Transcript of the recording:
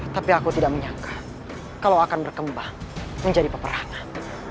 tapi aku tidak menyangka kalau akan berkembang menjadi peperangan